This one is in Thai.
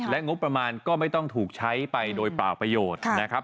และงบประมาณก็ไม่ต้องถูกใช้ไปโดยเปล่าประโยชน์นะครับ